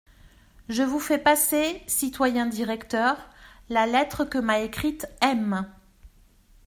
Je vous fais passer, citoyens directeurs, la lettre que m'a écrite M.